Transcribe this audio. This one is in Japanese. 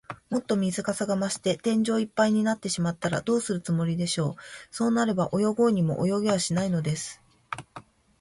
もっと水かさが増して、天井いっぱいになってしまったら、どうするつもりでしょう。そうなれば、泳ごうにも泳げはしないのです。